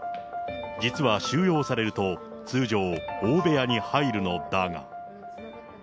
実は収容されると、通常、大部屋に入るのだが。